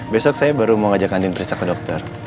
besok saya baru mau ngajak andin pergi ke dokter